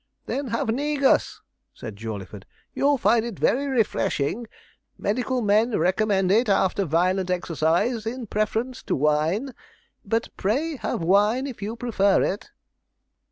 'Then have negus,' said Jawleyford; 'you'll find it very refreshing; medical men recommend it after violent exercise in preference to wine. But pray have wine if you prefer it.'